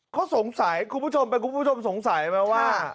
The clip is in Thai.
ก็สงสัยว่าคุณผู้ชมไปคุณผู้ชมสงสัยมาว่า